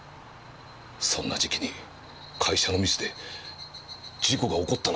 そんな時期に会社のミスで事故が起こったなんて事になったら。